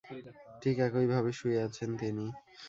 ঠিক একইভাবে শুয়ে আছেন তিনি।